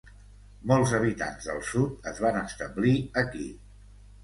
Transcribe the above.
Molts habitants del Sud es van establir aquí.